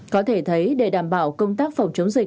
có thể thấy để đảm bảo công ty